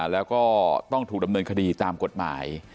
แล้วก็ต้องถูกดำเนินคดีตามกฎหมาย